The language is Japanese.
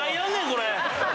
⁉これ！